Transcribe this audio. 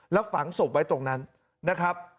แล้วฝังศพไว้ตรงนั้นนะครับ